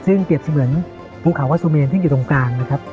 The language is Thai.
ซึ่งเปรียบเสมือนภูเขาวัดสุเมนซึ่งอยู่ตรงกลางนะครับ